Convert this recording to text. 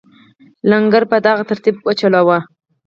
لنګر په دغه ترتیب وچلاوه.